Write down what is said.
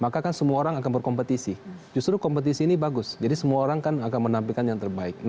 karena kan semua orang akan berkompetisi justru kompetisi ini bagus jadi semua orang akan menampilkan yang terbaik